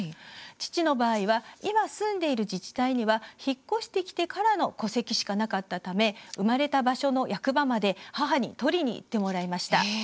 父の場合は、今住んでいる自治体には引っ越してきてからの戸籍しかなかったため生まれた場所の役場まで母に取りに行ってもらいました。